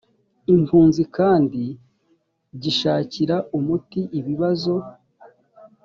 impunzi kandi gishakira umuti ibibazo